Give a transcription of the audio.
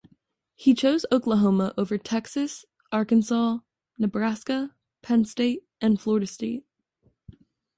He chose Oklahoma over Texas, Arkansas, Nebraska, Penn State, and Florida State.